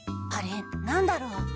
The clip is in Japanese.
あれ何だろう？